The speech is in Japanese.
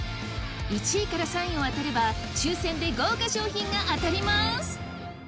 １位から３位を当てれば抽せんで豪華商品が当たります。